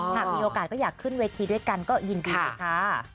หากมีโอกาสก็อยากขึ้นเวทีด้วยกันก็ยินดีด้วยค่ะ